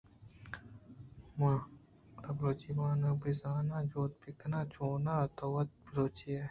من: گڑا بلوچی وانگ بہ زان ءُ جھد بہ کن، چوناھا تو وت بلوچے ئے